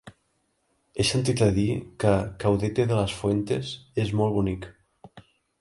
He sentit a dir que Caudete de las Fuentes és molt bonic.